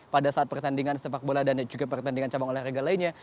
pada saat pertandingan sepak bola dan juga pertandingan cabang olahraga lainnya